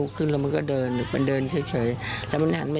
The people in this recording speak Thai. อันนี้ผู้หญิงบอกว่าช่วยด้วยหนูไม่ได้เป็นอะไรกันเขาจะปั้มหนูอะไรอย่างนี้